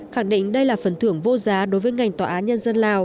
khẳng định đây là phần thưởng vô giá đối với ngành tòa án nhân dân lào